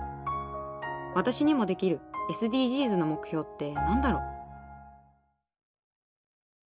私にもできるＳＤＧｓの目標って何だろう。